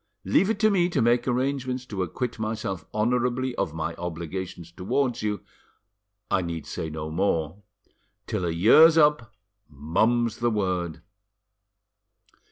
Leave it to me to make arrangements to acquit myself honourably of my obligations towards you. I need say no more; till a year's up, mum's the word."